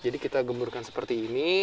jadi kita gemburkan seperti ini